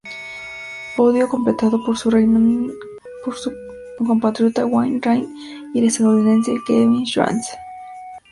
Podio completado por su compatriota Wayne Rainey y el estadounidense Kevin Schwantz.